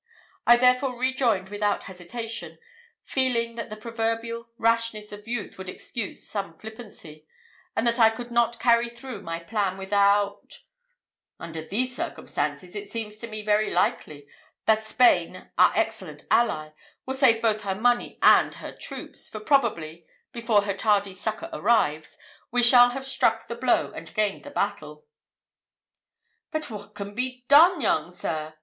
I therefore rejoined without hesitation, feeling that the proverbial rashness of youth would excuse some flippancy, and that I could not carry through my plan without "Under these circumstances, it seems to me very likely that Spain, our excellent ally, will save both her money and her troops, for probably, before her tardy succour arrives, we shall have struck the blow and gained the battle." "But what can be done, young sir?"